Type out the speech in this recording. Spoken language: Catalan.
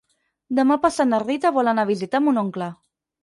Demà passat na Rita vol anar a visitar mon oncle.